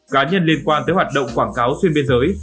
cá nhân liên quan tới hoạt động quảng cáo xuyên biên giới